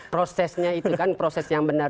prosesnya itu kan proses yang benar